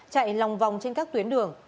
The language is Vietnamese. chạy lòng vòng trên các tuyến đường